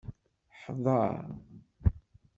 Hḍer!